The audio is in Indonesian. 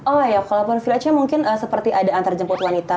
oh ya kalaupun village nya mungkin seperti ada antarjemput wanita